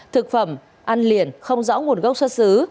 thực phẩm ăn liền không rõ nguồn gốc xuất xứ